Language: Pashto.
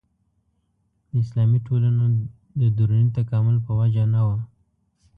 د اسلامي ټولنو د دروني تکامل په وجه نه وه.